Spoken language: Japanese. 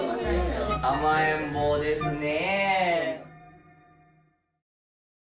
甘えん坊ですね。